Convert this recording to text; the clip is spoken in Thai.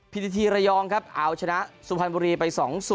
พิธีทีระยองครับเอาชนะสุพรรณบุรีไป๒๐